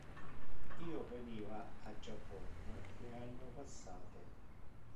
Io veniva a Japon le anno passate.